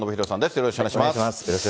よろしくお願いします。